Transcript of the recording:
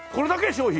商品。